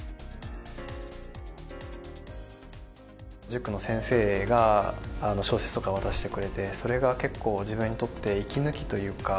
塾の先生が小説とか渡してくれてそれが結構自分にとって息抜きというか。